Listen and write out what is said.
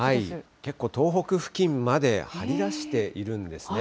結構、東北付近まで張り出しているんですね。